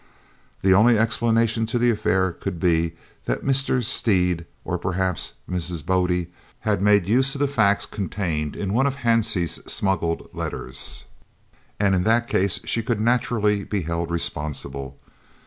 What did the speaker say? The only explanation to the affair could be that Mr. Stead, or perhaps Mrs. Bodde, had made use of the facts contained in one of Hansie's smuggled letters, and in that case she could naturally be held responsible.